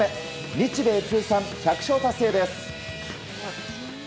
日米通算１００勝達成です。